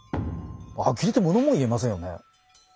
あきれてものも言えませんよね。